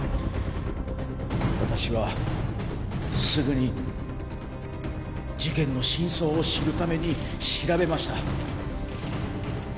私はすぐに事件の真相を知るために調べました。